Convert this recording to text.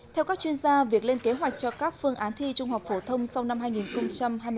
theo các chuyên gia việc lên kế hoạch cho các phương án thi trung học phổ thông sau năm hai nghìn hai mươi bốn